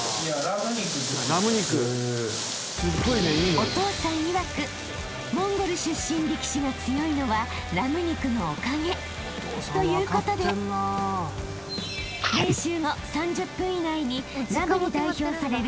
［お父さんいわくモンゴル出身力士が強いのはラム肉のおかげということで練習後３０分以内にラムに代表される